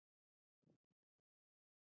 مصنوعي ځیرکتیا د ټولنیزو اړیکو جوړښت بدلوي.